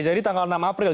jadi tanggal enam april